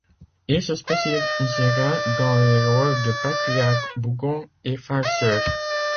Il se spécialisera dans les rôles de patriarches bougons et farceurs.